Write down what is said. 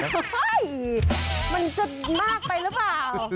เฮ้ยมันจะมากไปหรือเปล่า